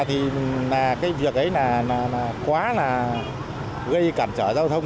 thì cái việc ấy là quá là gây cản trở giao thông